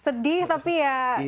sedih tapi ya